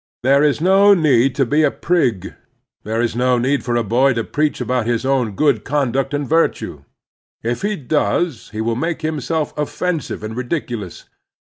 There is no need to be a prig. There is no need for a boy to preach about his own good conduct and virtue. If he does he will make himself offen sive and ridiculous.